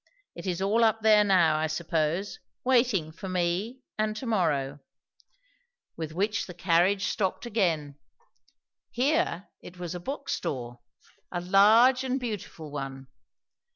It is all up there now, I suppose, waiting for me and to morrow." With which the carriage stopped again. Here it was a bookstore; a large and beautiful one.